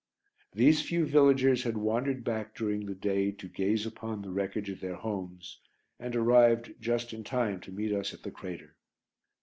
These few villagers had wandered back during the day to gaze upon the wreckage of their homes and arrived just in time to meet us at the crater.